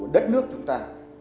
đất nước chúng ta